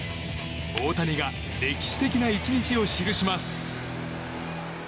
大谷が歴史的な一日を記します。